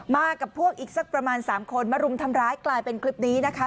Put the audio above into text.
มากับพวกอีกสักประมาณ๓คนมารุมทำร้ายกลายเป็นคลิปนี้นะคะ